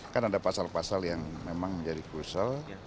kan ada pasal pasal yang memang menjadi krusial